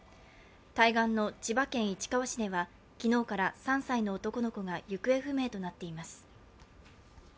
対岸の千葉県市川市では昨日から３歳の男の子が行方不明となっています。